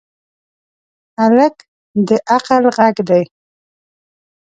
هلک د عقل غږ دی.